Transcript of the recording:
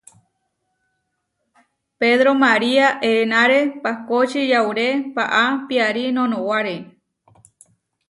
Pedró María eʼenáre pahkóči yauré paʼá piarí nonowáre.